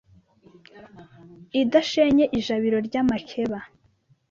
Idashenye ijabiro ry'amakeba